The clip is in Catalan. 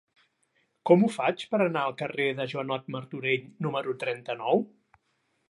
Com ho faig per anar al carrer de Joanot Martorell número trenta-nou?